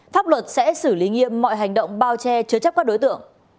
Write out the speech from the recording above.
pháp luật sẽ xử lý nghiêm mọi hành động bao che chứa chấp các đối tượng